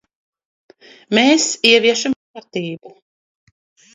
Mēs ieviešam kārtību.